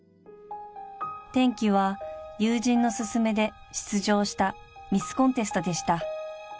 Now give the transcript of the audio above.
［転機は友人の勧めで出場したミスコンテストでした］